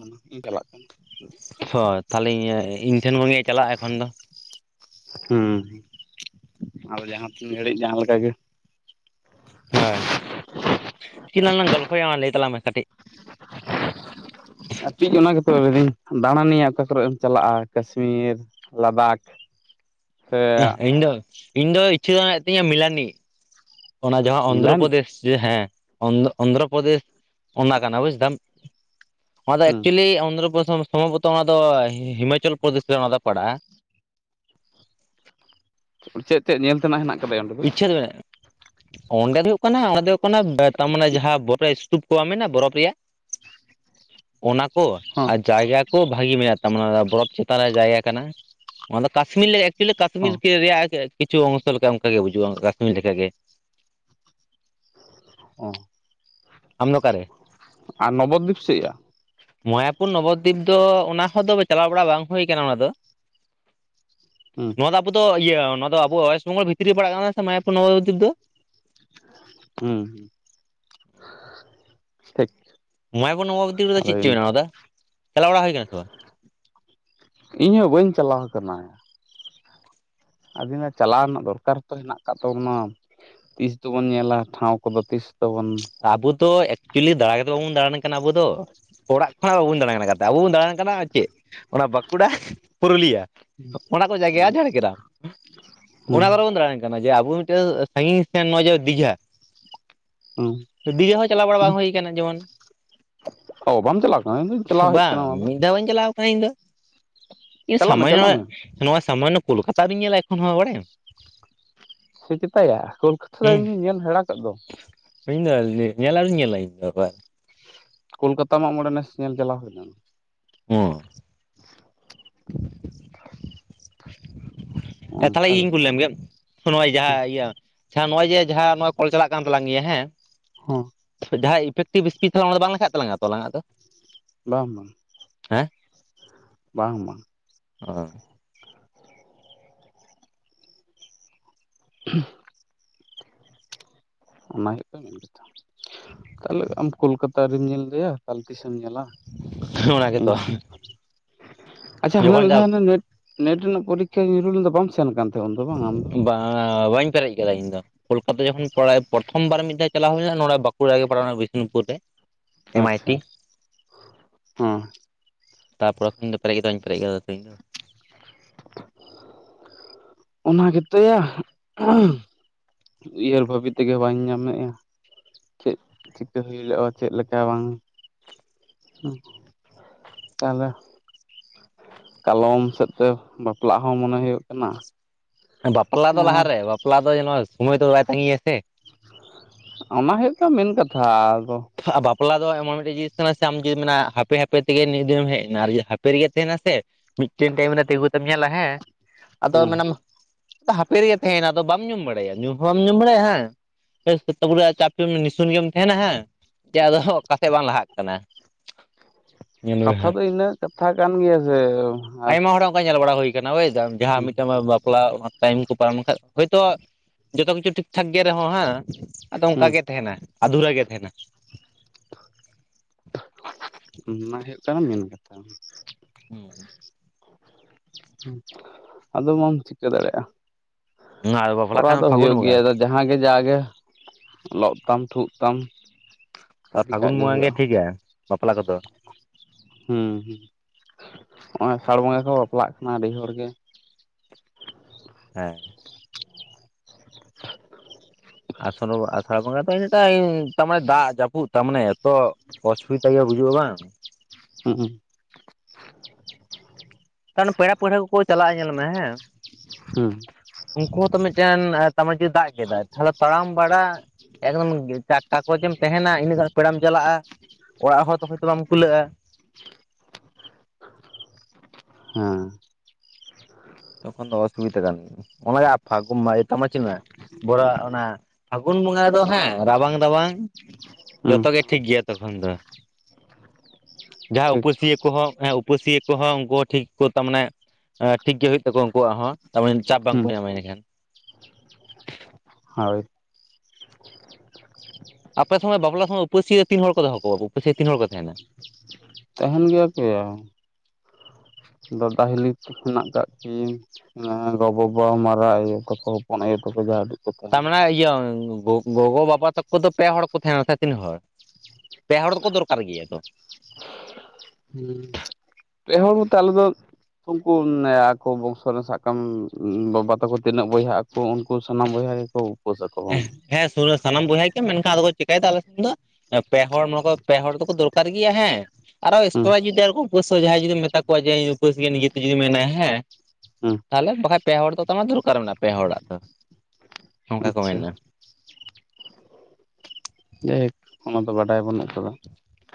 [inaudible] ᱪᱟᱞᱟᱜ ᱠᱟᱱᱟ ᱦᱳᱭ ᱛᱟᱦᱚᱞᱮ ᱤᱧ ᱴᱷᱮᱱ ᱠᱷᱚᱱ ᱜᱮ ᱪᱟᱞᱟᱜᱼᱟ ᱮᱠᱷᱚᱱ ᱫᱚ ᱾ ᱦᱮᱸ ᱟᱫᱚ ᱡᱟᱦᱟᱸ ᱛᱤᱱ ᱜᱷᱟᱲᱤᱡ ᱡᱟᱦᱟᱸ ᱞᱮᱠᱟ ᱜᱮ ᱾ ᱦᱳᱭ᱾ ᱪᱮᱫ ᱞᱟᱝ ᱜᱚᱞᱯᱷᱚᱭᱟ ᱞᱟᱹᱭ ᱛᱟᱞᱟᱝ ᱢᱮ ᱠᱟᱹᱴᱤᱡ ᱟᱨ ᱛᱤᱡ ᱚᱱᱟ ᱜᱮᱛᱚ ᱞᱟᱹᱭ ᱫᱤᱧ ᱫᱟᱬᱟᱭᱟᱹ ᱚᱠᱟ ᱠᱚᱨᱮᱢ ᱪᱟᱞᱟᱜᱼᱟ ᱠᱟᱥᱢᱤᱨ ᱞᱟᱫᱷᱟᱠ ᱤᱧ ᱫᱚ, ᱤᱧ ᱫᱚ ᱤᱪᱪᱷᱟᱹ ᱫᱚ ᱢᱮᱱᱟᱜ‌ ᱛᱤᱧᱟ. ᱢᱤᱞᱟᱱᱤ ᱾ ᱚᱱᱟ ᱡᱟᱦᱟᱸ ᱢᱤᱞᱟᱱᱤ ᱚᱱᱫᱷᱨᱚᱯᱨᱚᱫᱮᱥ ᱦᱮᱸ ᱚᱱᱫᱨᱚ ᱚᱱᱫᱷᱨᱚᱯᱨᱚᱫᱮᱥ ᱚᱱᱟ ᱠᱟᱱᱟ ᱵᱩᱡ ᱫᱟᱢ ᱚᱱᱟ ᱫᱚ ᱦᱩᱸ ᱮᱠᱪᱩᱭᱮᱞᱤ ᱚᱱᱫᱷᱨᱚᱯᱚᱫ ᱥᱚᱢᱵᱷᱚᱵᱚᱛᱚ ᱚᱱᱟ ᱫᱚ ᱦᱤᱢᱟᱪᱚᱞ ᱯᱨᱚᱫᱮᱥ ᱨᱮ ᱚᱱᱟ ᱫᱚ ᱯᱟᱲᱟᱜᱼᱟ ᱾ ᱪᱮᱫ ᱪᱮᱫ ᱧᱮᱞ ᱛᱮᱱᱟᱜ ᱦᱮᱱᱟᱜ ᱟᱠᱟᱫᱟ ᱚᱸᱰᱮ ᱫᱚ? ᱤᱪᱪᱷᱟᱹ ᱢᱮᱱᱟᱜᱼᱟ ᱚᱸᱰᱮ ᱫᱚ ᱦᱩᱭᱩᱜ ᱠᱟᱱᱟ ᱚᱸᱰᱮ [unintelligible] ᱛᱟᱨ ᱢᱟᱱᱮ ᱡᱟᱸᱦᱟᱸ ᱵᱚᱨᱚᱯ ᱤᱥᱛᱩᱯ ᱠᱚ ᱵᱟᱝ ᱢᱮᱱᱟ ᱵᱚᱨᱚᱯ ᱨᱮᱭᱟᱜ [inaudible] ᱚᱱᱟ ᱠᱚ ᱦᱚᱸ ᱟᱨ ᱡᱟᱭᱜᱟ ᱠᱚ ᱵᱷᱟᱜᱤ ᱢᱮᱱᱟᱜ ᱛᱟᱢᱟ᱾ ᱚᱱᱟ ᱵᱚᱨᱚᱯ ᱪᱮᱛᱟᱱ ᱨᱮᱭᱟᱜ ᱡᱟᱭᱜᱟ ᱠᱟᱱᱟ ᱾ ᱚᱱᱟ ᱠᱟᱥᱢᱤᱞ ᱮᱠᱪᱩᱭᱮᱞᱤ ᱦᱚᱸ ᱠᱟᱥᱢᱤᱨ ᱨᱮᱭᱟᱜ ᱠᱤᱪᱷᱩ ᱚᱝᱥᱚ ᱞᱮᱠᱟ ᱚᱱᱠᱟ ᱜᱮ ᱵᱩᱡᱩᱜᱼᱟ᱾ ᱠᱟᱥᱢᱤᱨ ᱞᱮᱠᱟ ᱜᱮ ᱾ ᱚ ᱟᱢ ᱫᱚ ᱚᱠᱟᱨᱮ? ᱟ ᱱᱚᱵᱚᱫᱤᱯ ᱥᱮᱫᱼᱭᱟ ᱢᱟᱭᱟᱯᱩᱨ ᱱᱚᱵᱚᱫᱤᱯ ᱫᱚ ᱚᱱᱟ ᱦᱚᱸᱫᱚ ᱪᱟᱞᱟᱣ ᱵᱟᱲᱟ ᱵᱟᱝ ᱦᱩᱭ ᱠᱟᱱᱟ ᱚᱱᱟ ᱫᱚ ᱾ ᱦᱩᱸ ᱾ ᱱᱚᱣᱟ ᱫᱚ ᱟᱵᱚ ᱫᱚ ᱤᱭᱟᱹ ᱱᱚᱣᱟ ᱫᱚ ᱟᱵᱚ ᱚᱭᱮᱥᱴ ᱵᱮᱝᱜᱚᱞ ᱵᱷᱤᱛᱤᱨ ᱨᱮ ᱯᱟᱲᱟᱜ ᱠᱟᱱᱟ ᱥᱮ ᱢᱟᱭᱟᱯᱩᱨ ᱱᱚᱵᱚᱫᱤᱯ ᱫᱚ? ᱦᱩᱸ ᱾ ᱴᱷᱤᱠ ᱢᱟᱭᱟᱯᱩᱨ ᱱᱚᱵᱚᱫᱤᱯ ᱨᱮᱫᱚ ᱟᱫᱚ ᱪᱮᱫ ᱪᱚ ᱵᱮᱱᱟᱣᱫᱟ ᱪᱟᱞᱟᱣ ᱵᱟᱲᱟ ᱦᱩᱭ ᱠᱟᱱᱟ ᱥᱮ ᱵᱟᱝ? ᱤᱧ ᱦᱚᱸ ᱵᱟᱹᱧ ᱪᱟᱞᱟᱣ ᱟᱠᱟᱱᱟ ᱾ ᱟᱵᱤᱱᱟᱜ ᱪᱟᱞᱟᱣ ᱨᱮᱱᱟᱜ ᱫᱚᱨᱠᱟᱨ ᱛᱚ ᱦᱮᱱᱟᱜ ᱟᱠᱟᱫ ᱛᱟᱵᱚᱱᱟ ᱾ ᱛᱤᱥ ᱫᱚᱵᱚᱱ ᱧᱮᱞᱟ ᱴᱷᱟᱶ ᱠᱚᱫᱚ ᱾ ᱛᱤᱥ ᱛᱮᱵᱚᱱ ᱟᱵᱚ ᱫᱚ ᱮᱠᱪᱩᱭᱮᱞᱤ ᱫᱟᱬᱟ ᱜᱮᱛᱚ ᱵᱟᱵᱚᱱ ᱫᱟᱬᱟᱱ ᱠᱟᱱᱟ ᱟᱵᱚ ᱫᱚ ᱾ ᱚᱲᱟᱜ ᱠᱷᱚᱱᱟᱜ ᱵᱟᱵᱚᱱ ᱫᱟᱬᱟᱱ ᱠᱟᱱᱟ ᱾ᱟᱵᱚ ᱵᱚᱱ ᱫᱟᱬᱟᱱ ᱠᱟᱱᱟ ᱪᱮᱫ ᱚᱱᱟ ᱵᱟᱠᱩᱲᱟ ᱯᱩᱨᱩᱞᱤᱭᱟ ᱾ ᱦᱩᱸ ᱾ ᱚᱱᱟ ᱠᱚᱨᱮ ᱵᱚᱱ ᱫᱟᱬᱟᱱ ᱡᱮ ᱟᱵᱚ ᱢᱤᱫᱴᱟᱝ ᱥᱟᱺᱜᱤᱧ ᱥᱮ ᱱᱚᱜᱼᱚᱭ ᱡᱮ ᱫᱤᱜᱷᱟ ᱦᱩᱸ ᱾ ᱫᱤᱜᱷᱟ ᱦᱚᱸ ᱪᱟᱞᱟᱣ ᱵᱟᱲᱟ ᱵᱟᱝ ᱦᱩᱭ ᱠᱟᱱᱟ ᱡᱮᱢᱚᱱ ᱚ ᱵᱟᱢ ᱪᱟᱞᱟᱣ ᱠᱟᱱᱟ ᱤᱧ ᱫᱩᱧ ᱪᱟᱞᱟᱣ ᱦᱮᱡ ᱠᱟᱱᱟ ᱵᱟᱝ ᱚᱱᱟ ᱫᱚ ᱢᱤᱫ ᱫᱷᱟᱣ ᱵᱟᱹᱧ ᱪᱟᱞᱟᱣ ᱠᱟᱱᱟ ᱤᱧ ᱫᱚ ᱤᱧ ᱪᱟᱞᱟᱜ ᱢᱮ ᱥᱟᱢᱚᱭ ᱪᱟᱞᱟᱜ ᱱᱚᱣᱟ ᱢᱮ ᱱᱚᱣᱟ ᱥᱟᱢᱟᱱᱱᱚ ᱠᱳᱞᱠᱟᱛᱟ ᱟᱣᱨᱤᱧ ᱧᱮᱞᱟ ᱮᱠᱷᱚᱱ ᱦᱚᱸ ᱵᱟᱲᱟᱭᱟᱢ ᱾ ᱥᱮ ᱪᱮᱛᱟ ᱭᱟ ᱠᱳᱞᱠᱷᱟᱛᱷᱟ ᱫᱚ ᱦᱩᱸ ᱤᱧᱤᱧ ᱧᱮᱞ ᱦᱟᱲᱟ ᱠᱮᱫ ᱫᱚ ᱾ ᱤᱧ ᱫᱚ ᱧᱮᱞ ᱟᱣᱨᱤᱧ ᱧᱮᱞᱟ ᱤᱧ ᱫᱚ ᱟᱵᱟᱨ ᱠᱳᱞᱠᱟᱛᱟ ᱢᱟᱜᱽ ᱢᱚᱬᱮ ᱱᱮᱥ ᱧᱮᱞ ᱪᱟᱞᱟᱣ ᱦᱩᱭ ᱞᱮᱱ ᱾ ᱚ ᱛᱟᱦᱚᱞᱮ ᱚᱱᱠᱟ ᱤᱧᱤᱧ ᱠᱩᱞᱤ ᱵᱮᱯᱟᱨ ᱞᱮᱢ ᱜᱮ ᱱᱚᱜᱼᱚᱭ ᱡᱟᱦᱟᱸ ᱤᱭᱟᱹ ᱟᱪᱪᱷᱟ ᱱᱚᱜᱼᱚᱭ ᱡᱮ ᱡᱟᱦᱟᱸ ᱱᱚᱜᱼᱚᱭ ᱠᱚᱞ ᱪᱟᱞᱟᱜ ᱠᱟᱱ ᱛᱟᱞᱟᱝ ᱜᱮᱭᱟ ᱦᱮᱸ ᱦᱩᱸ ᱾ ᱡᱟᱦᱟᱸᱭ ᱤᱯᱷᱮᱠᱴᱤ ᱵᱤᱥᱯᱤ ᱛᱚ ᱚᱱᱟ ᱫᱚ ᱵᱟᱝ ᱞᱮᱠᱷᱟᱜ ᱛᱟᱞᱟᱝ-ᱟ ᱛᱚ ᱟᱞᱟᱝ ᱟᱜ ᱫᱚ ᱾ ᱵᱟᱝ ᱵᱟᱝ ᱦᱮᱸ ᱾ ᱵᱟᱝ ᱢᱟ ᱚ [unintelligible] ᱚᱱᱟ ᱜᱮᱛᱚ ᱢᱮᱱ ᱠᱟᱛᱷᱟ ᱚᱠᱟ ᱦᱤᱞᱚᱜ ᱟᱢ ᱠᱚᱞᱠᱟᱛᱟ ᱟᱹᱣᱨᱤᱢ ᱧᱮᱞ ᱫᱚᱭᱟ ᱛᱟᱞ ᱛᱤᱥᱮᱢ ᱧᱮᱞᱟ ᱚᱱᱟ ᱜᱮᱛᱚ [unintelligible] ᱟᱪᱪᱷᱟ ᱦᱟᱱᱮ ᱡᱚᱠᱷᱚᱱ ᱢᱤᱫ ᱡᱟ ᱫᱷᱟᱣ ᱚᱱᱮ ᱱᱮᱴ ᱱᱮᱴ ᱨᱮᱱᱟᱜ ᱯᱚᱨᱤᱠᱷᱟ ᱧᱩᱨᱩᱞᱮᱱ ᱫᱚ ᱵᱟᱢ ᱥᱮᱱ ᱠᱟᱱ ᱛᱟᱦᱮᱸ ᱩᱱᱫᱚ ᱵᱟᱝ ᱟᱢ ᱫᱚ ᱵᱟᱝᱼᱟ ᱵᱟᱹᱧ ᱯᱮᱨᱮᱡ ᱠᱟᱫᱟ ᱤᱧ ᱫᱚ ᱠᱚᱞᱠᱟᱛᱟ ᱡᱚᱠᱷᱚᱱ ᱯᱟᱲᱟᱭ ᱮ ᱯᱨᱚᱛᱷᱚᱢ ᱵᱟᱨ ᱢᱤᱫ ᱫᱷᱟᱣ ᱪᱟᱞᱟᱣ ᱦᱩᱭᱱᱟ ᱟᱨ ᱱᱚᱸᱲᱮ ᱵᱟᱹᱠᱩᱲᱟ ᱨᱮ ᱯᱟᱲᱟᱣ ᱞᱮᱱᱟ ᱵᱤᱥᱱᱩᱯᱩᱨ ᱨᱮ ᱮᱢ ᱟᱤ ᱟᱪᱪᱷᱟ ᱴᱤ ᱦᱮᱸ ᱛᱟᱯᱚᱨᱮ ᱠᱷᱚᱱ ᱫᱚ ᱯᱮᱨᱮᱡ ᱜᱮᱛᱚ ᱵᱟᱹᱧ ᱯᱮᱨᱮᱡ ᱠᱟᱫᱟ ᱛᱚ ᱤᱧ ᱫᱚ ᱚᱱᱟ ᱜᱮᱛᱚᱭᱟ [unintelligible] ᱩᱭᱦᱟᱹᱨ ᱵᱷᱟᱹᱵᱤ ᱛᱮᱜᱮ ᱵᱟᱹᱧ ᱧᱟᱢᱮᱫᱼᱟ᱾ ᱪᱮᱫ ᱪᱤᱠᱟᱹ ᱦᱩᱭᱩᱜᱼᱟ ᱪᱮᱫ ᱞᱮᱠᱟ ᱵᱟᱝ ᱦᱩᱸ ᱛᱟᱦᱚᱞᱮ ᱠᱟᱞᱚᱢ ᱥᱮᱫ ᱛᱮ ᱵᱟᱯᱞᱟᱜ ᱦᱚᱸ ᱢᱚᱱᱮ ᱦᱩᱭᱩᱜ ᱠᱟᱱᱟ ᱵᱟᱯᱞᱟ ᱫᱚ ᱞᱟᱦᱟ ᱟᱨ ᱨᱮ ᱵᱟᱯᱞᱟ ᱫᱚᱭ ᱱᱚᱣᱟ ᱥᱚᱢᱚᱭ ᱫᱚ ᱵᱟᱭ ᱛᱟᱹᱝᱜᱤᱭᱟ ᱥᱮ ᱚᱱᱟ ᱦᱩᱭᱩᱜ ᱠᱟᱱᱟ ᱢᱮᱱ ᱠᱟᱛᱷᱟ ᱟᱫᱚ ᱟ ᱵᱟᱯᱞᱟ ᱫᱚ ᱮᱢᱚᱱ ᱢᱤᱫᱴᱮᱡ ᱡᱤᱱᱤᱥ ᱠᱟᱱᱟ ᱥᱮ ᱟᱢ ᱡᱩᱫᱤᱢ ᱢᱮᱱᱟ ᱦᱟᱯᱮ ᱦᱟᱯᱮ ᱛᱮᱜᱮ ᱱᱤᱱ ᱫᱤᱱᱮᱢ ᱦᱮᱡ ᱮᱱᱟ᱾ ᱟᱨ ᱡᱩᱫᱤ ᱦᱟᱯᱮ ᱨᱮᱜᱮ ᱛᱟᱦᱮᱱᱟ ᱥᱮ ᱢᱤᱫᱴᱮᱱ ᱴᱟᱭᱤᱢ ᱨᱮ ᱛᱤᱸᱜᱩ ᱠᱟᱛᱮᱢ ᱧᱮᱞᱟ ᱦᱮᱸ ᱟᱫᱚ ᱦᱮᱸ ᱢᱟᱱᱮᱢ ᱦᱟᱯᱮ ᱨᱮᱜᱮ ᱛᱟᱦᱮᱱᱟ ᱟᱫᱚ ᱵᱟᱢ ᱧᱩᱢ ᱵᱟᱲᱟᱭᱟ ᱧᱩ ᱦᱚᱸ ᱵᱟᱢ ᱧᱩᱢ ᱵᱟᱲᱟᱭᱟ ᱦᱮᱸ [unintelligible] ᱪᱟᱯᱮ ᱢᱟ ᱱᱤᱥᱩᱱ ᱜᱮᱢ ᱛᱟᱦᱮᱱᱟ ᱦᱮᱸ ᱪᱮ ᱟᱫᱚ ᱚᱠᱟ ᱥᱮᱫ ᱵᱟᱝ ᱞᱟᱦᱟᱜ ᱠᱟᱱᱟ᱾ ᱧᱮᱞ ᱢᱮ ᱠᱟᱛᱷᱟ ᱦᱟᱸᱜ ᱫᱚ ᱤᱱᱟᱹ ᱠᱟᱛᱷᱟ ᱠᱟᱱ ᱜᱮᱭᱟ ᱡᱮ ᱟᱭᱢᱟ ᱦᱚᱲᱟᱜ ᱚᱱᱠᱟ ᱧᱮᱞ ᱵᱟᱲᱟ ᱦᱩᱭ ᱟᱠᱟᱱᱟ ᱵᱩᱡᱽ ᱫᱟᱢ ᱡᱟᱦᱟᱸ ᱦᱩᱸ ᱢᱤᱫᱴᱟᱝ ᱢᱟ ᱵᱟᱯᱞᱟ ᱴᱟᱭᱤᱢ ᱠᱚ ᱯᱟᱨᱚᱢ ᱞᱮᱠᱷᱟᱡ ᱦᱳᱭᱛᱚ ᱡᱚᱛᱚ ᱠᱤᱪᱷᱩ ᱴᱷᱤᱠ ᱴᱷᱟᱠ ᱜᱮ ᱨᱮᱦᱚᱸ ᱦᱮᱸ ᱟᱫᱚ ᱚᱱᱠᱟ ᱦᱩᱸ ᱜᱮ ᱛᱟᱦᱮᱱᱟᱭ ᱟᱫᱷᱩᱨᱟ ᱜᱮ ᱛᱟᱦᱮᱱᱟ᱾ ᱚᱱᱟ ᱦᱩᱭᱩᱜ ᱠᱟᱱᱟ ᱢᱮᱱ ᱠᱟᱛᱷᱟ ᱦᱩᱸᱦᱩᱸ ᱟᱫᱚ ᱵᱟᱢ ᱪᱤᱠᱟᱹ ᱫᱟᱲᱮᱭᱟᱜᱼᱟ᱾ ᱟᱨ ᱵᱟᱯᱞᱟᱜ ᱠᱚᱨᱟᱣ ᱠᱷᱟᱱ ᱫᱚ ᱯᱷᱟᱹᱜᱩᱱ ᱦᱩᱭᱩᱜ ᱜᱮᱭᱟ ᱵᱚᱸᱜᱟ ᱟᱫᱚ ᱡᱟᱦᱟᱸ ᱜᱮ ᱡᱟᱜᱮ ᱞᱚᱜ ᱛᱟᱢ ᱴᱷᱩᱜ ᱛᱟᱢ ᱟᱨ ᱠᱟᱹᱯᱤ ᱠᱟᱜ ᱯᱷᱟᱹᱜᱩᱱ ᱵᱚᱸᱜᱟ ᱜᱮ ᱦᱩᱭᱩᱜᱼᱟ ᱴᱷᱤᱠᱟᱭ ᱵᱟᱯᱞᱟ ᱠᱚᱫᱚ ᱦᱩᱸ ᱦᱩᱸ ᱱᱚᱜᱼᱚᱭ ᱟᱥᱟᱲ ᱵᱚᱸᱜᱟ ᱜᱮᱠᱚ ᱵᱟᱯᱞᱟᱜ ᱠᱟᱱᱟ ᱟᱹᱰᱤ ᱦᱚᱲ ᱜᱮ ᱦᱮᱸ ᱟᱥᱚᱲᱚᱜ ᱟᱥᱟᱲ ᱵᱚᱸᱜᱟ [unintelligible] ᱛᱟᱨ ᱢᱟᱱᱮ ᱫᱟᱜ ᱡᱟᱹᱯᱩᱫ ᱛᱟᱨ ᱢᱟᱱᱮ ᱮᱛᱚ ᱚᱥᱩᱵᱤᱛᱟ ᱦᱩᱭᱩᱜ ᱜᱩᱡᱩᱜᱼᱟ ᱵᱟᱝ [unintelligible] ᱛᱟᱱ ᱯᱮᱲᱟ ᱯᱟᱹᱲᱦᱟᱹ ᱠᱚᱠᱚ ᱪᱟᱞᱟᱜᱼᱟ ᱧᱮᱞ ᱢᱮ ᱦᱮᱸ ᱦᱩᱸ ᱩᱱᱠᱩ ᱦᱚᱸᱛᱚ ᱢᱤᱫᱴᱮᱱ ᱛᱟᱢᱟ ᱡᱚᱨ ᱫᱟᱜ ᱠᱮᱫᱟᱭ ᱛᱟᱦᱞᱮ ᱛᱟᱲᱟᱢ ᱵᱟᱲᱟ ᱮᱠᱫᱚᱢ ᱜᱮᱞᱪᱟᱜ ᱚᱠᱟ ᱠᱚᱨᱮ ᱪᱚᱢ ᱛᱟᱦᱮᱱᱟ ᱤᱱᱟᱹᱜ ᱜᱟᱱ ᱯᱮᱲᱟᱢ ᱪᱟᱞᱟᱜᱼᱟ᱾ ᱚᱲᱟᱜ ᱦᱚᱲ ᱛᱚ ᱦᱳᱭᱛᱚ ᱵᱟᱢ ᱠᱩᱞᱟᱹᱜᱼᱟ᱾ ᱦᱮᱸ ᱛᱚᱠᱷᱚᱱ ᱫᱚ ᱚᱥᱩᱵᱤᱫᱟ ᱠᱟᱱ ᱚᱱᱟᱜᱮ ᱯᱷᱟᱹᱜᱩᱢ ᱢᱟᱦᱟ ᱤᱭᱟᱹ ᱛᱟᱢᱟᱱᱮ ᱪᱮᱜᱮᱢ ᱢᱮᱱᱟ ᱵᱩᱨᱟᱹ ᱚᱱᱟ ᱯᱷᱟᱹᱜᱩᱱ ᱵᱚᱸᱜᱟ ᱨᱮᱫᱚ ᱦᱮᱸ ᱨᱟᱵᱟᱝ ᱨᱟᱵᱟᱝ ᱦᱩᱸ ᱡᱚᱛᱚ ᱜᱮ ᱴᱷᱤᱠ ᱜᱮᱭᱟ ᱛᱚᱠᱷᱚᱱ ᱫᱚ ᱡᱟᱦᱟᱸ ᱴᱷᱤᱠ ᱩᱯᱟᱹᱥᱤᱭᱟᱹ ᱠᱚᱦᱚᱸ ᱦᱮᱸ ᱩᱯᱟᱹᱥᱤᱭᱟᱹ ᱠᱚᱦᱚᱸ ᱩᱱᱠᱩ ᱴᱷᱤᱠ ᱜᱤᱠᱚ ᱛᱟᱢᱟᱱᱮ ᱟᱸ ᱴᱷᱤᱠ ᱜᱮ ᱦᱩᱭᱩᱜ ᱛᱟᱠᱚᱣᱟ ᱩᱱᱠᱩᱣᱟᱜ ᱦᱚᱸ ᱛᱟᱢᱟᱱᱮ ᱪᱟᱯ ᱵᱟᱝᱠᱚ ᱦᱩᱸ ᱧᱟᱢᱟ ᱤᱱᱟᱹ ᱠᱷᱟᱱ ᱦᱟᱣᱮ᱾ ᱟᱯᱮ ᱥᱚᱢᱚᱭ ᱵᱟᱯᱞᱟ ᱥᱚᱢᱚᱭ ᱩᱯᱟᱹᱥᱤᱭᱟᱹ ᱛᱤᱱ ᱦᱚᱲ ᱠᱚ ᱫᱚᱦᱚ ᱠᱚᱣᱟ ᱩᱯᱟᱹᱥᱤ ᱛᱤᱱ ᱦᱚᱲ ᱠᱚ ᱛᱟᱦᱮᱱᱟ᱾ ᱛᱟᱦᱮᱱ ᱜᱮᱭᱟ ᱠᱚᱭᱟ᱾ ᱫᱟᱫᱟ ᱦᱤᱞᱤ ᱛᱟᱠᱤᱱ ᱦᱮᱱᱟᱜ ᱠᱟᱜ ᱠᱤᱱ᱾ ᱮᱻ ᱜᱚ ᱵᱟᱵᱟ ᱢᱟᱨᱟᱜ ᱭᱳ ᱛᱟᱠᱚ ᱦᱚᱯᱚᱱ ᱟᱭᱳ ᱛᱟᱠᱚ ᱡᱟᱦᱟ ᱴᱤᱜ᱾ ᱛᱟᱨ ᱢᱟᱱᱮ ᱤᱭᱟᱹ ᱜᱚ ᱜᱚᱜᱚ ᱵᱟᱵᱟ ᱛᱟᱠᱚ ᱫᱚ ᱯᱮ ᱦᱚᱲ ᱠᱚ ᱛᱟᱦᱮᱱᱟ ᱥᱮ ᱛᱤᱱᱟᱹᱜ ᱦᱚᱲ ᱯᱮ ᱦᱚᱲ ᱫᱚᱠᱚ ᱫᱚᱨᱠᱟᱨ ᱜᱮᱭᱟ ᱛᱚ᱾ ᱦᱩᱸ ᱯᱮ ᱦᱚᱲ ᱵᱚᱞᱛᱮ ᱟᱞᱮ ᱫᱚ। ᱩᱱᱠᱩ ᱟᱠᱚ ᱵᱚᱸᱝᱥᱚ ᱨᱮᱱ ᱥᱟᱵ ᱠᱟᱢ ᱵᱟᱵᱟ ᱛᱟᱠᱚ ᱛᱤᱱᱟᱹᱜ ᱵᱚᱭᱦᱟᱜ ᱟ ᱛᱚ ᱩᱱᱠᱩ ᱥᱟᱱᱟᱢ ᱵᱚᱭᱦᱟ ᱜᱮᱠᱚ᱾ ᱩᱯᱟᱹᱥ ᱟᱠᱚ ᱦᱚᱸ ᱮᱸᱦ ᱦᱮᱸ ᱥᱩᱨ ᱨᱮ ᱥᱟᱱᱟᱢ ᱵᱚᱭᱦᱟ ᱜᱮᱠᱚ ᱢᱮᱱᱠᱷᱟᱱ ᱟᱫᱚ ᱠᱚ ᱪᱤᱠᱟᱭ ᱫᱟ ᱟᱞᱮ ᱥᱮᱱ ᱫᱚ᱾ ᱯᱮ ᱦᱚᱲ [unintelligible] ᱯᱮ ᱦᱚᱲ ᱫᱚᱠᱚ ᱫᱚᱨᱠᱟᱨ ᱜᱮᱭᱟ ᱦᱮᱸ᱾ ᱟᱨᱚ ᱦᱩᱸ ᱮᱥᱴᱨᱟ ᱡᱩᱫᱤ ᱟᱨᱚ ᱠᱚ ᱩᱯᱟᱹᱥᱥᱚ ᱡᱟᱦᱟᱭ ᱡᱩᱫᱤᱢ ᱢᱮᱛᱟ ᱠᱚᱣᱟ ᱡᱮ ᱤᱧ ᱫᱚ ᱩᱯᱟᱹᱥ ᱜᱮᱭᱟ ᱱᱤᱡᱮ ᱛᱮ ᱡᱩᱫᱤ ᱢᱮᱱᱟᱭᱟ ᱦᱮᱸ᱾ ᱦᱩᱸ᱾ ᱛᱟᱦᱞᱮ ᱵᱟᱠᱷᱟᱡ ᱯᱮ ᱦᱚᱲ ᱫᱚ ᱛᱟᱢᱟ ᱫᱚᱨᱠᱟᱨ ᱢᱮᱱᱟᱜᱼᱟ ᱯᱮ ᱦᱚᱲᱟᱜ ᱫᱚ᱾ ᱚᱱᱠᱟ ᱠᱚ ᱟᱪᱪᱷᱟ᱾ ᱢᱮᱱᱟ ᱡᱟᱭᱦᱳᱠ ᱚᱱᱟ ᱫᱚ ᱵᱟᱰᱟᱭ ᱵᱟᱹᱱᱩᱜ ᱠᱟᱫᱟ᱾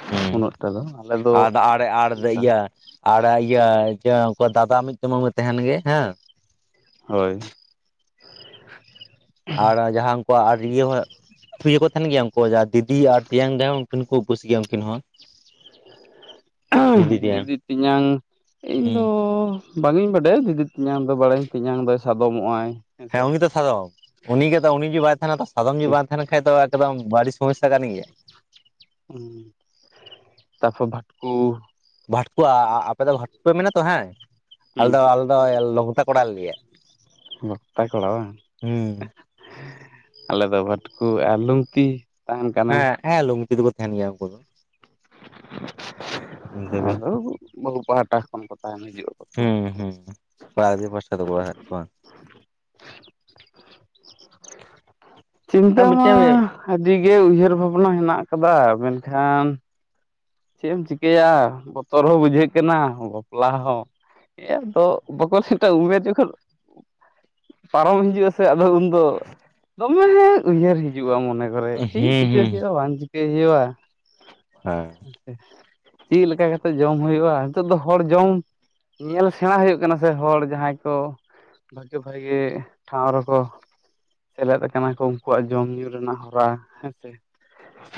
ᱦᱩᱸ ᱩᱱᱟᱹᱜ ᱴᱟ ᱫᱚ ᱟᱞᱮ ᱫᱚ ᱟᱨ ᱟᱨ ᱟᱨ ᱠᱟ ᱤᱭᱟᱹ ᱟᱨ ᱤᱭᱟᱹ ᱡᱮ ᱩᱱᱠᱩ ᱫᱟᱫᱟ ᱢᱤᱜᱴᱮᱜ ᱢᱟ ᱢᱟᱹ ᱛᱟᱦᱮᱱ ᱜᱮ ᱦᱮᱸ᱾ ᱦᱳᱭ᱾ ᱟᱨ ᱡᱟᱸᱦᱟ ᱩᱱᱠᱩᱣᱟᱜ ᱟᱨ ᱤᱭᱟᱹ ᱦᱚᱸ᱾ ᱛᱷᱩ ᱜᱮᱠᱚ ᱛᱟᱦᱮᱱ ᱜᱮᱭᱟ ᱩᱱᱠᱩ ᱡᱟᱸᱦᱟ ᱫᱤᱫᱤ ᱟᱨ ᱛᱮᱭᱟᱝ ᱨᱮᱦᱚᱸ ᱩᱱᱠᱤᱱ ᱠᱩ ᱩᱯᱟᱹᱥ ᱜᱮᱭᱟ ᱩᱱᱠᱤᱱ ᱦᱚᱸ᱾ ᱫᱤᱫᱤ ᱛᱮᱧᱟᱝ ᱤᱧ ᱦᱩᱸ ᱫᱚ᱾ ᱵᱟᱝ ᱤᱧ ᱵᱟᱰᱟᱭᱟ ᱫᱤᱫᱤ ᱛᱮᱧᱟᱝ ᱫᱚ ᱵᱟᱲᱟᱭᱟᱹᱧ ᱛᱮᱧᱟᱝ ᱫᱚᱭ ᱥᱟᱫᱚᱢᱚᱜ ᱟᱭ᱾ ᱦᱮᱸ ᱩᱱᱤ ᱫᱚ ᱥᱟᱫᱚᱢ᱾ ᱩᱱᱤ ᱜᱮᱛᱚ ᱩᱱᱤ ᱡᱩᱫᱤ ᱵᱟᱭ ᱛᱟᱦᱮᱱᱟ ᱛᱚ ᱥᱟᱫᱚᱢ ᱡᱩᱫᱤ ᱴᱷᱤᱠ ᱵᱟᱭ ᱛᱟᱦᱮᱱᱟ ᱠᱷᱟᱡ ᱫᱚ ᱮᱠᱫᱚᱢ ᱵᱟᱲᱤ ᱥᱚᱢᱚᱥᱥᱟ ᱠᱟᱱ ᱜᱮᱭᱟ᱾ ᱛᱟᱯᱚᱨ ᱵᱷᱟᱴᱠᱩ᱾ ᱵᱷᱟᱴᱠᱩ ᱟ-ᱟ ᱟᱯᱮ ᱫᱚ ᱵᱷᱟᱴᱠᱩ ᱯᱮ ᱢᱮᱱ ᱟᱛᱚ ᱦᱮᱸ ᱟᱞᱮ ᱦᱩᱸ ᱫᱚ ᱟᱞᱮ ᱫᱚ ᱞᱚᱜᱫᱟ ᱠᱚᱲᱟ ᱞᱮ ᱞᱟᱹᱭ-ᱟ᱾ ᱞᱚᱠᱛᱟ ᱠᱚᱲᱟ ᱵᱟᱝ ᱦᱩᱸ ᱟᱞᱮ ᱫᱚ ᱵᱷᱟᱴᱠᱩ ᱟᱨ ᱞᱩᱝᱛᱤ᱾ ᱛᱟᱦᱮᱱ ᱠᱟᱱᱟᱭ ᱦᱮᱸ ᱦᱮᱸ ᱞᱩᱝᱛᱤ ᱫᱩᱠᱩ ᱛᱟᱦᱮᱱ ᱜᱮᱭᱟ ᱩᱱᱠᱩ ᱫᱚ᱾ ᱩᱱᱠᱩ ᱫᱚ ᱟᱫᱚ ᱵᱟᱹᱦᱩ ᱯᱟᱦᱴᱟ ᱠᱷᱚᱱ ᱠᱚ ᱛᱟᱦᱮᱱ ᱦᱤᱡᱩᱜᱼᱟ᱾ ᱦᱩᱸ ᱦᱩᱸ ᱠᱚᱲᱟ ᱜᱤᱫᱽᱨᱟᱹ ᱯᱟᱥᱴᱟ ᱫᱚ ᱠᱚ [unintelligible] ᱟᱨ ᱪᱤᱱᱛᱟᱹ ᱢᱤᱫᱴᱮᱱ ᱢᱟ᱾ ᱦᱩᱸ ᱟᱹᱰᱤᱜᱮ ᱩᱭᱦᱟᱹᱨ ᱵᱷᱟᱵᱽᱱᱟ ᱦᱮᱱᱟᱜ ᱟᱠᱟᱫᱟ ᱢᱮᱱᱠᱷᱟᱱ᱾ ᱪᱮᱜ ᱮᱢ ᱪᱤᱠᱟᱹᱭᱟ ᱵᱚᱛᱚᱨ ᱦᱚᱸ ᱵᱩᱡᱷᱟᱹᱜ ᱠᱟᱱᱟ ᱵᱟᱯᱞᱟ ᱦᱚᱸ᱾ ᱦᱮ ᱟᱫᱚ ᱵᱟᱠᱚ ᱞᱮᱴ-ᱟ ᱩᱢᱮᱨ ᱡᱚᱠᱷᱚᱱ᱾ ᱯᱟᱨᱚᱢ ᱦᱤᱡᱩᱜᱼᱟ ᱥᱮ ᱟᱫᱚ ᱩᱱᱫᱚ ᱫᱚᱢᱮ ᱦᱮᱸ ᱩᱭᱦᱟᱹᱨ ᱦᱤᱡ ᱡᱩᱜ-ᱟ ᱢᱚᱱᱮ ᱠᱚᱨᱮᱜ ᱪᱮᱫ ᱪᱤᱠᱟᱹᱭ ᱦᱩᱸ ᱦᱳᱭᱳᱜ-ᱟ ᱵᱟᱝ ᱪᱤᱠᱟᱹᱭ ᱦᱳᱭᱳᱜ-ᱟ᱾ ᱦᱮᱸ᱾ ᱪᱮᱜ ᱞᱮᱠᱟ ᱠᱟᱛᱮᱜ ᱡᱚᱢ ᱦᱳᱭᱳᱜᱼᱟ ᱱᱤᱛᱳᱜ ᱫᱚ ᱦᱚᱲ ᱡᱚᱢ᱾ ᱧᱮᱞ ᱥᱮᱸᱬᱟ ᱦᱳᱭᱳᱜ ᱠᱟᱱᱟ ᱥᱮ ᱦᱚᱲ ᱡᱟᱸᱦᱟᱭ ᱠᱚ᱾ ᱵᱷᱟᱜᱮ ᱵᱷᱟᱜᱮ ᱴᱷᱟᱶ ᱨᱮᱠᱚ᱾ ᱥᱮᱞᱮᱫ ᱟᱠᱟᱱᱟ ᱠᱚ ᱩᱱᱠᱩᱣᱟᱜ ᱡᱚᱢ ᱧᱩ ᱨᱮᱱᱟᱜ ᱦᱚᱨᱟ ᱦᱮᱸ ᱥᱮ᱾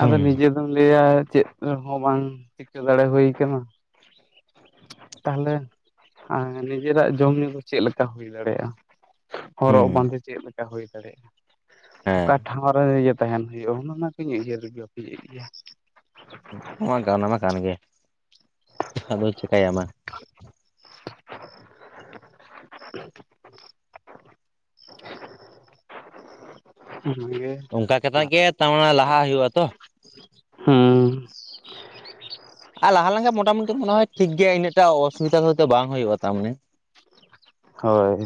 ᱟᱫᱚ ᱱᱤᱡᱮ ᱫᱚᱢ ᱞᱟᱹᱭᱟ ᱪᱮᱫ ᱦᱚᱸ ᱵᱟᱝ ᱪᱤᱠᱟᱹ ᱫᱟᱲᱮ ᱦᱩᱭ ᱠᱟᱱᱟ ᱛᱟᱦᱞᱮ᱾ ᱟᱨ ᱱᱤᱡᱮᱨᱟᱜ ᱡᱚᱢ ᱧᱩ ᱠᱚ ᱪᱮᱫ ᱞᱮᱠᱟ ᱦᱩᱭ ᱫᱟᱲᱮᱭᱟᱜᱼᱟ ᱾ ᱦᱚᱨᱚᱜ ᱦᱩᱸ ᱵᱟᱸᱫᱮ ᱪᱮᱫ ᱞᱮᱠᱟ ᱦᱩᱭ ᱫᱟᱲᱮᱭᱟᱜᱼᱟ? ᱦᱮᱸ ᱚᱠᱟ ᱴᱷᱟᱶ ᱨᱮ ᱤᱭᱟᱹ ᱛᱟᱸᱦᱮᱱ ᱦᱩᱭᱩᱜᱼᱟ ᱚᱱᱮ ᱚᱱᱟ ᱠᱚᱧ ᱩᱭᱦᱟᱹᱨ ᱜᱮᱯᱮᱫ [unintelligible] ᱜᱮᱭᱟ ᱾ ᱱᱚᱣᱟ ᱜᱟᱱᱟ [unintelligible] ᱢᱟ ᱠᱟᱱ ᱜᱮᱭᱟ, ᱟᱫᱚᱢ ᱪᱤᱠᱟᱭᱟ ᱟᱫᱚ ᱾ ᱦ [inaudible] [unintelligible] ᱟᱮ [inaudible] ᱚᱱᱠᱟ ᱠᱟᱛᱮᱜ ᱜᱮ ᱛᱟᱦᱟᱣ ᱞᱟᱦᱟ ᱦᱩᱭᱩᱜ ᱟᱛᱚ ᱾ ᱦᱮᱸ ᱟᱨ ᱞᱟᱦᱟ ᱞᱮᱱᱠᱷᱟᱱ ᱢᱳᱴᱟᱢᱩᱴᱤ ᱢᱚᱱᱮ ᱦᱚᱭ ᱴᱷᱤᱠ ᱜᱮ ᱤᱱᱟᱹᱜ ᱴᱟ ᱚᱥᱩᱵᱤᱫᱷᱟ ᱫᱚ ᱦᱚᱭᱛᱳ ᱵᱟᱝ ᱦᱩᱭᱩᱜᱼᱟ ᱛᱟᱨ ᱢᱟᱱᱮ ᱾ ᱦᱳᱭ,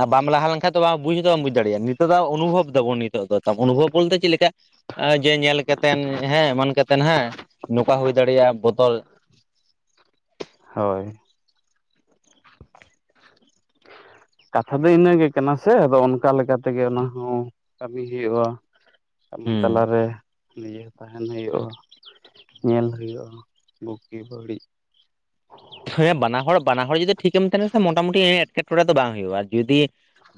ᱟᱨ ᱵᱟᱢ ᱞᱟᱦᱟ ᱞᱮᱱᱠᱷᱟᱱ ᱫᱚ ᱵᱟᱝ ᱵᱩᱡᱽ ᱦᱚᱸ ᱛᱚ ᱵᱟᱢ ᱵᱩᱡᱽ ᱫᱟᱲᱮᱭᱟᱜᱼᱟ, ᱱᱤᱛᱚᱜ ᱫᱚ ᱚᱱᱩᱵᱷᱚᱵᱽ ᱫᱟᱵᱚᱱ ᱱᱤᱛᱚᱜ ᱫᱚ ᱾ ᱚᱱᱩᱵᱷᱚᱵᱽ ᱵᱚᱞᱛᱮ ᱪᱮᱫ ᱞᱮᱠᱟ, ᱡᱮ ᱧᱮᱞ ᱠᱟᱛᱮᱱ ᱦᱮᱸ, ᱮᱢᱟᱱ ᱠᱟᱛᱮᱱ ᱦᱮᱸ ᱾ ᱱᱚᱝᱠᱟ ᱦᱩᱭ ᱫᱟᱲᱮᱭᱟᱜᱼᱟ ᱵᱚᱛᱚᱞ ᱾ ᱦᱳᱭ, ᱠᱟᱛᱷᱟ ᱫᱚ ᱤᱱᱟᱹ ᱜᱮ ᱠᱟᱱᱟ ᱥᱮ, ᱟᱫᱚ ᱚᱱᱠᱟ ᱞᱮᱠᱟ ᱛᱮᱜᱮ ᱚᱱᱟ ᱦᱚᱸ ᱠᱟᱹᱢᱤ ᱦᱩᱭᱩᱜᱼᱟ ᱾ ᱠᱟᱹᱢᱤ ᱦᱩᱸ ᱛᱟᱞᱟᱨᱮᱼᱼ ᱱᱤᱡᱮ ᱛᱟᱸᱦᱮᱱ ᱦᱩᱭᱩᱜᱼᱟ, ᱧᱮᱞ ᱦᱩᱭᱩᱜᱼᱟ, ᱵᱩᱜᱤ ᱵᱟᱹᱲᱤᱡ ᱾ ᱟᱨ [inaudible] ᱦᱮᱸ ᱵᱟᱱᱟ ᱦᱚᱲ, ᱵᱟᱱᱟ ᱦᱚᱲ ᱡᱩᱫᱤ ᱴᱷᱤᱠᱮᱢ ᱛᱟᱸᱦᱮ ᱞᱮᱱᱠᱷᱟᱱ ᱢᱚᱴᱟᱢᱩᱴᱤ ᱮᱸᱴᱠᱮᱴᱚᱬᱮ ᱫᱚ ᱵᱟᱝ ᱦᱩᱭᱩᱜᱼᱟ, ᱟᱨ ᱡᱩᱫᱤᱼᱼ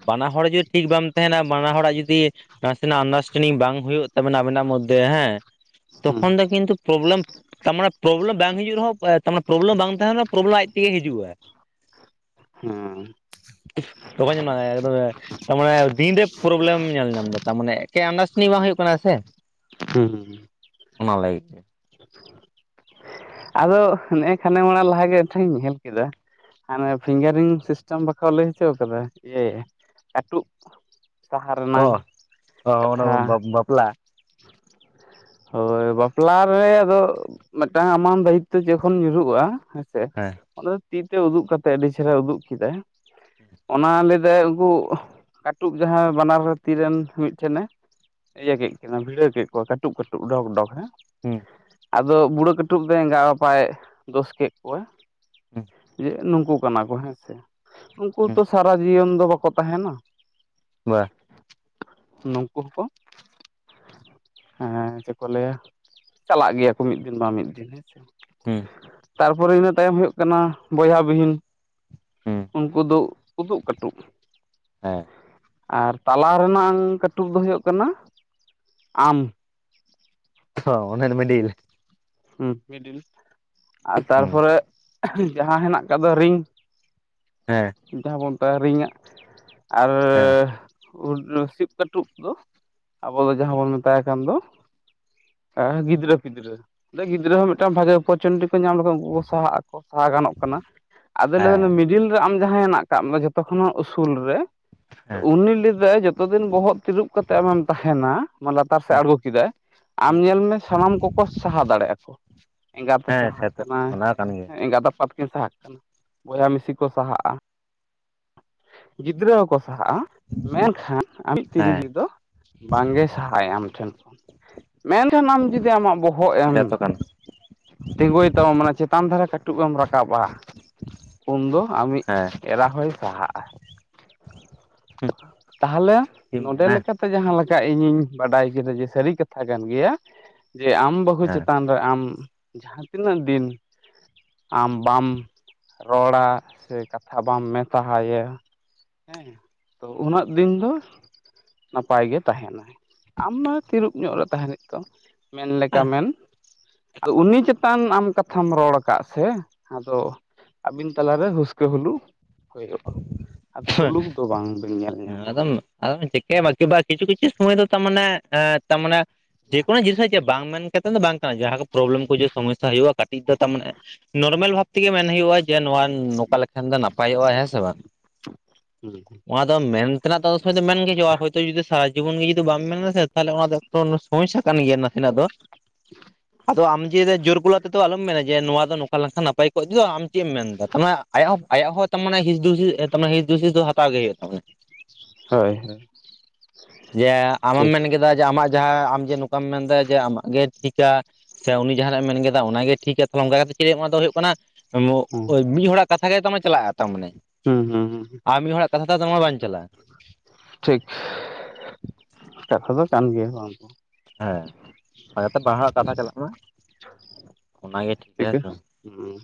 ᱵᱟᱱᱟ ᱦᱚᱲ ᱡᱩᱫᱤ ᱴᱷᱤᱠ ᱵᱟᱢ ᱛᱟᱸᱦᱮᱱᱟ, ᱵᱟᱱᱟ ᱦᱚᱲᱟᱜ ᱡᱩᱫᱤᱼᱼ ᱱᱟᱥᱮᱱᱟᱜ ᱟᱱᱰᱟᱨᱥᱴᱮᱱᱰᱤᱝ ᱵᱟᱝ ᱦᱩᱭᱩᱜ ᱛᱟᱵᱮᱱᱟ ᱟᱹᱵᱤᱱᱟᱜ ᱢᱚᱫᱽᱫᱷᱮ ᱦᱮᱸᱼᱼ ᱦᱩᱸ ᱛᱚᱠᱷᱚᱱ ᱫᱚ ᱠᱤᱱᱛᱩ ᱯᱨᱚᱵᱞᱮᱢ, ᱛᱟᱨ ᱢᱟᱱᱮ ᱯᱨᱚᱵᱞᱮᱢ ᱵᱟᱝ ᱦᱤᱡᱩᱜ ᱨᱮᱦᱚᱸ [inaudible] ᱛᱟᱨ ᱢᱟᱱᱮ ᱯᱨᱚᱵᱞᱮᱢ ᱵᱟᱝᱼᱼ ᱱᱚᱜᱼᱚ ᱱᱚᱣᱟ ᱯᱨᱚᱵᱞᱮᱢ ᱟᱡ ᱛᱮᱜᱮ ᱦᱤᱡᱩᱜᱼᱟ ᱾ ᱦᱩᱸ ᱫᱚᱠᱟᱱ ᱡ ᱞ [unintelligible] ᱛᱟᱨᱢᱟᱱᱮ ᱫᱤᱱᱨᱮ ᱯᱨᱚᱵᱞᱮᱢ ᱧᱮᱞ ᱧᱟᱢᱫᱟ ᱛᱟᱨ ᱢᱟᱱᱮ ᱮᱠᱮ ᱟᱱᱰᱟᱨᱥᱴᱮᱱᱰᱤᱝ ᱵᱟᱝ ᱦᱩᱭᱩᱜ ᱠᱟᱱᱟ ᱥᱮ ᱾ ᱦᱩᱸ ᱦᱩᱸ [unintelligible] ᱚᱱᱟ ᱞᱟᱹᱜᱤᱫ [inaudible] ᱟᱫᱚ ᱱᱮᱜᱼ ᱠᱷᱟᱱᱮ ᱢᱟᱲᱟ ᱞᱟᱦᱟᱜᱮ ᱢᱤᱫ ᱴᱷᱮᱱᱤᱧ ᱧᱮᱞ ᱠᱮᱫᱟ ᱾ ᱦᱟᱱᱮ ᱯᱷᱤᱝᱜᱟᱨᱤᱝ ᱥᱤᱥᱴᱮᱢ ᱵᱟᱠᱚ ᱞᱟᱹᱭ ᱦᱚᱪᱚ ᱠᱟᱫᱟ ᱡᱮ ᱠᱟᱹᱴᱩᱵᱼᱼ ᱥᱟᱦᱟ ᱚ ᱨᱮᱱᱟᱝ ᱚ ᱚᱱᱟ ᱠᱟᱛᱷᱟ ᱾ ᱵᱟᱯᱞᱟ ᱦᱳᱭ ᱵᱟᱯᱞᱟ ᱨᱮ ᱟᱫᱚ, ᱢᱤᱫᱴᱟᱝᱼᱼ ᱥᱟᱱ ᱫᱟᱭᱤᱛᱚ ᱡᱚᱠᱷᱚᱱ ᱧᱩᱨᱦᱩᱜᱚᱜᱼᱟ ᱦᱮᱸᱥᱮ, ᱦᱮᱸ ᱚᱱᱟ ᱛᱤ ᱛᱮ ᱩᱫᱩᱜ ᱠᱟᱛᱮ ᱟᱹᱰᱤ ᱪᱮᱦᱨᱟ ᱩᱫᱩᱜ ᱠᱮᱫᱟᱭ ᱾ ᱚᱱᱟ ᱞᱟᱹᱭ ᱫᱟᱭ ᱩᱱᱠᱩ, ᱠᱟᱹᱴᱩᱵ ᱡᱟᱦᱟᱸᱭ ᱵᱟᱱᱟᱨ ᱛᱤᱨᱮᱱ ᱢᱤᱫᱴᱷᱮᱱᱮᱼᱼ ᱤᱭᱟᱹ ᱠᱮᱫ ᱠᱤᱱᱟ ᱵᱷᱤᱲᱟᱹᱣ ᱠᱮᱫ ᱠᱚᱣᱟ ᱠᱟᱹᱴᱩᱵ ᱠᱟᱹᱴᱩᱵ ᱰᱚᱜᱽ ᱰᱚᱜᱽ ᱦᱮᱸ ᱾ ᱦᱩᱸ ᱟᱫᱚ ᱵᱩᱲᱦᱟᱹ ᱠᱟᱹᱴᱩᱵ ᱫᱚ ᱮᱸᱜᱟᱭ ᱟᱯᱟᱭ ᱫᱚᱥ ᱠᱮᱫ ᱠᱚᱣᱟ ᱾ ᱦᱮᱸ [inaudible] ᱱᱩᱠᱩ ᱠᱟᱱᱟ ᱠᱚ ᱦᱮᱸ ᱥᱮ, ᱩᱱᱠᱩ ᱦᱩᱸ ᱛᱚ ᱥᱟᱨᱟ ᱡᱤᱭᱚᱱ ᱫᱚ ᱵᱟᱠᱚ ᱛᱟᱸᱦᱮᱱᱟ ᱾ ᱵᱟᱼᱼ [unintelligible] ᱱᱩᱠᱩ ᱠᱚ ᱾ ᱦᱮᱸ ᱪᱮᱫ ᱠᱚ ᱞᱟᱹᱭᱟ, ᱪᱟᱞᱟᱜ ᱜᱮᱭᱟ ᱠᱚ ᱢᱤᱫ ᱫᱤᱱ ᱵᱟᱝ ᱢᱤᱫ ᱫᱤᱱ ᱾ ᱦᱩᱸ ᱛᱟᱨᱯᱚᱨᱮ ᱤᱱᱟᱹ ᱛᱟᱭᱚᱢ ᱦᱩᱭᱩᱜ ᱠᱟᱱᱟ ᱵᱚᱭᱦᱟ ᱵᱤᱦᱤᱱ ᱾ ᱦᱩᱸ ᱩᱱᱠᱩ ᱫᱚ ᱩᱫᱩᱜ ᱠᱟᱹᱴᱩᱵ ᱾ ᱦᱮᱸ ᱾ ᱟᱨ ᱛᱟᱞᱟ ᱨᱮᱱᱟᱝ ᱠᱟᱹᱴᱩᱵ ᱫᱚ ᱦᱩᱭᱩᱜ ᱠᱟᱱᱟ ᱟᱢ᱾ ᱦᱚᱸ ᱚᱱᱟ ᱚᱱᱮ [unintelligible] ᱢᱤᱰᱤᱞ, ᱦᱮ [unintelligible] ᱢᱤᱰᱤᱞ ᱟᱨ ᱦᱮᱸ ᱛᱟᱨᱯᱚᱨᱮ ᱡᱟᱦᱟᱸ ᱦᱮᱱᱟᱜ ᱟᱠᱟᱫ ᱫᱚ ᱨᱤᱝ᱾ ᱦᱮᱸ᱾ ᱡᱟᱦᱟᱸ ᱵᱚᱱ ᱛᱟᱦᱮᱨᱤᱤᱝᱟ [unintelligible] ᱟᱨ ᱦ [unintelligible] ᱥᱤᱫ [unintelligible] ᱠᱟᱹᱴᱩᱵ ᱫᱚ, ᱟᱵᱚ ᱫᱚ ᱡᱟᱦᱟᱸ ᱵᱚᱱ ᱢᱮᱛᱟᱭ ᱠᱟᱱ ᱫᱚ, ᱦᱮᱸ [unintelligible] ᱜᱤᱫᱽᱨᱟᱹ ᱯᱤᱫᱽᱨᱟᱹ ᱜᱤᱫᱽᱨᱟᱹ ᱦᱚᱸ ᱢᱤᱫᱴᱟᱝ ᱵᱷᱟᱜᱤ ᱚᱯᱚᱨᱪᱩᱱᱤᱴᱤ ᱠᱚ ᱧᱟᱢ ᱞᱮᱠᱚ [unintelligible] ᱥᱟᱦᱟᱜ ᱟᱠᱚ ᱥᱟᱦᱟ ᱜᱟᱱᱚᱜ ᱠᱟᱱᱟ ᱟᱫᱚ ᱞᱟᱹᱭ ᱦᱮᱸ ᱥᱤ ᱡᱤᱞ ᱨᱮ ᱟᱢ ᱡᱟᱦᱟᱸᱭ ᱦᱮᱱᱟᱜ ᱠᱟᱜᱢᱮ ᱡᱚᱛᱚ ᱠᱷᱚᱱᱦᱚ ᱩᱥᱩᱞ ᱨᱮ ᱦᱮᱸ ᱩᱱᱤ ᱞᱟᱭ ᱫᱟᱭ ᱡᱮ, ᱡᱚᱛᱚ ᱫᱤᱱ ᱵᱚᱦᱚᱜ ᱛᱤᱨᱩᱵ ᱠᱟᱛᱮᱫ ᱟᱢᱮᱢ ᱛᱟᱦᱮᱱᱟ ᱢᱟᱱᱮ ᱞᱟᱛᱟᱨ ᱥᱮᱫ ᱟᱬᱜᱚ ᱠᱮᱫᱟᱭ, ᱟᱢ ᱧᱮᱞ ᱢᱮ ᱥᱟᱱᱟᱢ ᱠᱚᱠᱚ ᱥᱟᱦᱟ ᱫᱟᱲᱮᱜ ᱟᱠᱚ᱾ ᱮᱸᱜᱟᱛᱮ ᱦᱮᱸ ᱥᱟᱦᱟᱜ ᱥᱮᱛᱚ ᱠᱟᱱᱟ᱾ ᱚᱱᱟ ᱠᱟᱱ ᱜᱮᱭᱟ ᱮᱸᱜᱟᱛ ᱟᱯᱟᱛ, ᱠᱤᱱ ᱥᱟᱦᱟᱜ ᱠᱟᱱᱟ, ᱵᱚᱭᱦᱟ ᱢᱤᱥᱤ ᱠᱚ ᱥᱟᱦᱟᱜᱼᱟ ᱜᱤᱫᱽᱨᱟᱹ ᱦᱚᱸ ᱠᱚ ᱥᱟᱦᱟᱜᱼᱟ, ᱢᱮᱱᱠᱷᱟᱱ ᱟᱢᱤᱡ ᱛᱤᱨᱤ ᱦᱮᱸ ᱡᱩᱨᱤ ᱫᱚ ᱵᱟᱝᱜᱮ ᱥᱟᱦᱟ ᱟᱭ ᱟᱢ ᱴᱷᱮᱱ ᱠᱷᱚᱱ, ᱢᱮᱱᱠᱷᱟᱱ ᱟᱢ ᱡᱩᱫᱤ ᱟᱢᱟᱜ ᱵᱚᱦᱚᱜ ᱮᱢ ᱥᱮᱛᱚ ᱠᱟᱱᱟ ᱦᱮᱸ ᱛᱤᱸᱜᱩᱭ ᱛᱟᱢᱟ ᱢᱟᱱᱮ ᱪᱮᱛᱟᱱ ᱫᱷᱟᱨᱮ ᱠᱟᱹᱴᱩᱵ ᱮᱢ ᱨᱟᱠᱟᱵᱟ, ᱩᱱ ᱫᱚ ᱟᱢᱤᱡ ᱪᱮᱫ ᱮᱨᱟ ᱦᱚᱸᱭ ᱥᱟᱦᱟᱜᱼᱟ᱾ ᱛᱟᱦᱚᱞᱮ ᱮᱢ ᱱᱚᱸᱰᱮ ᱢᱮᱱᱟ ᱞᱮᱠᱟ ᱡᱟᱦᱟᱸ ᱞᱮᱠᱟ ᱤᱧᱤᱧ ᱵᱟᱰᱟᱭ ᱠᱮᱫᱟ ᱡᱮ ᱥᱟᱹᱨᱤ ᱠᱟᱛᱷᱟ ᱠᱟᱱ ᱜᱮᱭᱟ, ᱡᱮ ᱟᱢ ᱵᱟᱹᱦᱩ ᱦᱮᱸ ᱪᱮᱛᱟᱱ ᱨᱮ ᱟᱢ ᱡᱟᱦᱟᱸ ᱛᱤᱱᱟᱹᱜ ᱫᱤᱱ ᱟᱢ ᱵᱟᱢ ᱨᱚᱲᱟ ᱥᱮ ᱠᱟᱛᱷᱟ ᱵᱟᱢ ᱢᱮᱛᱟᱦᱟᱭᱟ, ᱦᱮᱸ ᱛᱚ ᱩᱱᱟᱹᱜ ᱫᱤᱱ ᱫᱚ ᱱᱟᱯᱟᱭ ᱜᱮ ᱛᱟᱦᱮᱱᱟᱭ, ᱟᱢ ᱢᱟ ᱛᱤᱨᱩᱯ ᱧᱚᱜ ᱨᱮ ᱛᱟᱦᱮᱸᱱ ᱦᱩᱭᱩ ᱛᱟᱢᱟ᱾ ᱢᱮᱱᱞᱮ ᱠᱟᱢᱮᱱ ᱟᱫᱚ ᱩᱱᱤ ᱪᱮᱛᱟᱱ ᱟᱢ ᱠᱟᱛᱷᱟᱢ ᱨᱚᱲ ᱠᱟᱜᱼᱟ ᱥᱮ ᱟᱫᱚ ᱟᱹᱵᱤᱱ ᱛᱟᱞᱟᱨᱮ ᱦᱩᱥᱠᱟᱹ ᱦᱩᱞᱩ ᱦᱩᱭᱩᱜᱼᱟ᱾ ᱟᱨ ᱥᱩᱞᱩᱠ ᱫᱚ ᱵᱟᱝᱵᱮᱱ ᱧᱮᱞ ᱧᱟᱢᱟ᱾ ᱟᱫᱚᱵᱮᱱ ᱪᱤᱠᱟᱹ ᱭᱟ ᱵᱟ [unintelligible] [unintelligible] ᱠᱤᱪᱷᱩ ᱠᱤᱪᱷᱩ ᱥᱚᱢᱟᱭ ᱫᱚ ᱛᱟᱨ ᱢᱟᱱᱮ ᱛᱟᱨ ᱢᱟᱱᱮ ᱡᱮᱠᱚᱱᱳ ᱡᱤᱱᱤᱥ ᱜᱮ ᱡᱮ ᱵᱟᱝ ᱢᱮᱱ ᱠᱟᱛᱮᱫ ᱫᱚ ᱵᱟᱝ ᱠᱟᱱᱟ ᱡᱟᱦᱟᱸ ᱠᱚ ᱯᱨᱚᱵᱞᱮᱢ ᱠᱚ ᱦᱤᱡᱩᱜᱼᱟ ᱥᱚᱢᱚᱥᱥᱟ ᱦᱩᱭᱩᱜᱼᱟ ᱠᱟᱹᱴᱤᱡ ᱫᱚ ᱛᱟᱨ ᱢᱟᱱᱮ ᱱᱚᱨᱢᱮᱞ ᱵᱷᱟᱵ ᱛᱮᱜᱮ ᱢᱮᱱ ᱦᱩᱭᱩᱜᱼᱟ ᱡᱮ ᱱᱚᱣᱟ ᱱᱚᱠᱟ ᱞᱮᱠᱷᱟᱱ ᱫᱚ ᱱᱟᱯᱟᱭᱚᱜᱼᱟ ᱦᱮᱸ ᱥᱮ ᱵᱟᱝ? ᱦᱩᱸ ᱦᱩᱸ᱾ ᱚᱱᱟ ᱫᱚ ᱢᱮᱱ ᱛᱮᱱᱟᱜ ᱫᱚ ᱩᱱ ᱥᱚᱢᱚᱭ ᱫᱚ ᱢᱮᱱ ᱜᱮ ᱦᱩᱭᱩᱜᱼᱟ᱾ ᱦᱳᱭᱛᱚ ᱡᱩᱫᱤ ᱥᱟᱨᱟ ᱡᱤᱵᱚᱱ ᱜᱮ ᱡᱩᱫᱤ ᱵᱟᱢ ᱢᱮᱱᱟ ᱥᱮ ᱛᱟᱦᱚᱞᱮ ᱚᱱᱟ ᱫᱚ ᱛᱚ ᱚᱱᱟ ᱥᱚᱢᱚᱥᱥᱟ ᱠᱟᱱ ᱜᱮᱭᱟ ᱱᱟᱥᱮᱱᱟᱜ ᱫᱚ᱾ [inaudible] ᱟᱫᱚ ᱟᱢ ᱡᱮ ᱡᱳᱨ ᱜᱚᱞᱟ ᱛᱮᱫᱚ ᱟᱞᱚᱢ ᱢᱮᱱᱟ ᱡᱮ ᱱᱚᱣᱟ ᱫᱚ ᱱᱚᱝᱠᱟ ᱞᱮᱱᱠᱷᱟᱱ ᱱᱟᱯᱟᱭ ᱠᱚᱜ ᱫᱭᱟ᱾ ᱟᱢ ᱪᱮᱫ ᱮᱢ ᱢᱮᱱᱫᱟ [unintelligible] ᱟᱭᱟᱜ ᱦᱚᱸ ᱟᱭᱟᱜ ᱦᱚᱸ ᱦᱚᱸ ᱛᱚ ᱢᱟᱱᱮ ᱦᱤᱥ ᱫᱥᱤ ᱛᱚ ᱢᱟᱱᱮ ᱦᱤᱥ ᱫᱩᱥᱤᱥ ᱫᱚ ᱦᱟᱛᱟᱣ ᱜᱮ ᱦᱩᱭᱩᱜ ᱛᱟᱵᱚᱱᱟ᱾ ᱦᱳᱭ ᱦᱳᱭ ᱡᱮ ᱟᱢᱮᱢ ᱴᱷᱤᱠ ᱢᱮᱱ ᱠᱮᱫᱟ ᱡᱮ ᱟᱢᱟᱜ ᱡᱟᱦᱟᱸ ᱟᱢ ᱡᱮ ᱱᱚᱝᱠᱟᱢ ᱢᱮᱱᱫᱟ ᱡᱮ ᱟᱢᱟᱜ ᱜᱮ ᱴᱷᱤᱠᱟ, ᱥᱮ ᱩᱱᱤ ᱡᱟᱦᱟᱱᱟᱜᱼᱮ ᱢᱮᱱ ᱠᱮᱫᱟ ᱚᱱᱟᱜᱮ ᱴᱷᱤᱠᱟ ᱛᱟᱦᱚᱞᱮ ᱚᱱᱠᱟ ᱠᱟᱛᱮᱫ ᱪᱮᱫ ᱚᱱᱟ ᱫᱚ ᱦᱩᱭᱩᱜ ᱠᱟᱱᱟ, ᱦᱮᱸ [unintelligible] ᱢᱤᱜ ᱦᱚᱲᱟᱜ ᱠᱟᱛᱷᱟ ᱜᱮ ᱛᱟᱨᱢᱟᱱᱮ ᱪᱟᱞᱟᱜᱼᱟ ᱛᱟᱨ ᱢᱟᱱᱮ᱾ ᱦᱩᱸ ᱦᱩᱸ ᱦᱩᱸ᱾ ᱟᱨ ᱢᱤᱫ ᱦᱚᱲᱟᱜ ᱠᱟᱛᱷᱟ ᱛᱟᱦᱞᱮ ᱛᱚᱢᱟ ᱵᱟᱝ ᱪᱟᱞᱟᱜᱼᱟ᱾ ᱴᱷᱤᱠ, ᱠᱟᱛᱷᱟ ᱫᱚ ᱠᱟᱱ ᱜᱮᱭᱟ ᱵᱟᱝ ᱫᱚ ᱵᱟᱝ᱾ ᱦᱮᱸ ᱟᱨ ᱡᱟᱛᱮ ᱵᱟᱱᱟ ᱦᱚᱲᱟ ᱠᱟᱛᱷᱟ ᱪᱟᱞᱟᱜ ᱢᱟ ᱚᱱᱟᱜᱮ ᱴᱷᱤᱠᱟ ᱪᱤᱠᱟᱹ ᱦᱮᱸᱥᱮ ᱾ ᱦᱩᱸ,